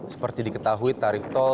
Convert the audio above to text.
seperti diketahui tarif tol